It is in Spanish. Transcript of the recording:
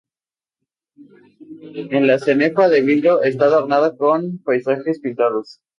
En la cenefa de vidrio está adornada con paisajes pintados.